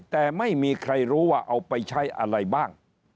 แต่ไม่มีใครรู้ว่าเอาไปใช้อะไรบ้าง